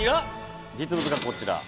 「実物がこちら」